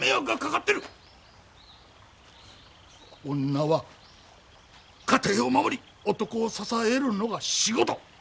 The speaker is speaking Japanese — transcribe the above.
女は家庭を守り男を支えるのが仕事！